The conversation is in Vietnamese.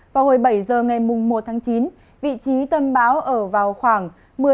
vào hồi bảy giờ ngày một chín vị trí tân báo ở vào khoảng một mươi chín bảy